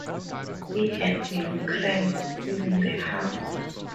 He had been crank-calling the house.